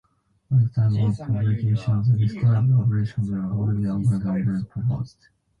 At the time of publication, the described operations were already ongoing or being proposed.